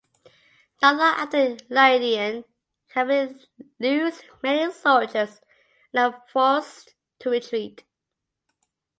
Not long after the Lydian cavalry lose many soldiers and are forced to retreat.